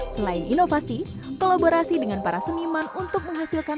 selain inovasi kolaborasi dengan para seniman untuk menghasilkan